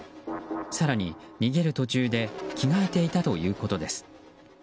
更に逃げる途中で着替えていたということです。